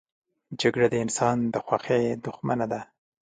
جګړه د انسان د خوښۍ دښمنه ده